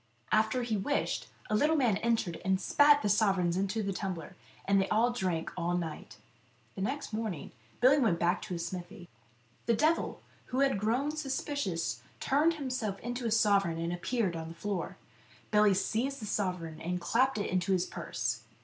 After he wished, a little man entered and spat the sovereigns into the tumbler, and they all drank all night. Next morning Billy went back to his smithy. The devil, who had grown suspicious, turned himself into a 58 Billy Duffy and the Devil. sovereign and appeared on the floor. Billy seized the sovereign and clapped it into his purse.